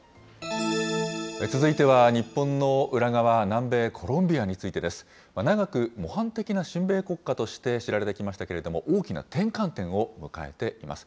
続いては、日本の裏側、南米コロンビアについてです。長く模範的な親米国家として知られてきましたけれども、大きな転換点を迎えています。